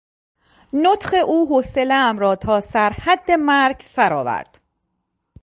نطق او حوصلهام را تا سر حد مرگ سرآورد!